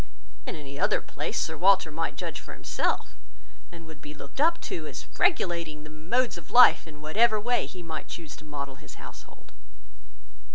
In any other place Sir Walter might judge for himself; and would be looked up to, as regulating the modes of life in whatever way he might choose to model his household."